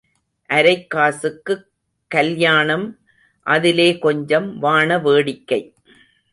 அரைக் காசுக்குக் கல்யாணம் அதிலே கொஞ்சம் வாண வேடிக்கை.